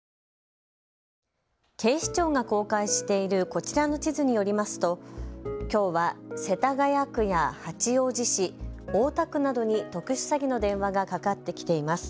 警視庁が公開しているこちらの地図によりますときょうは、世田谷区や八王子市、大田区などに特殊詐欺の電話がかかってきています。